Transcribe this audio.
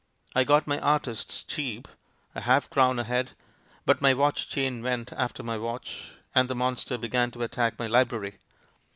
I got my 'artists' cheap — a half crown a head, but my watch chain went after my watch, and the monster began to attack my library.